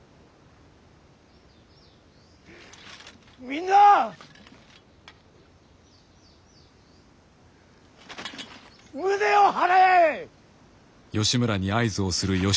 みんな胸を張れ！